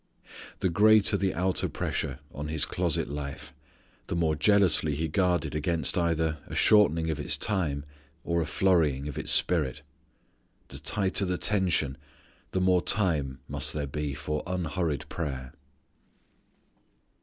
The greater the outer pressure on His closet life, the more jealously He guarded against either a shortening of its time or a flurrying of its spirit. The tighter the tension, the more time must there be for unhurried prayer.